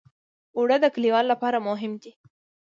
اوړه د کليوالو لپاره مهم دي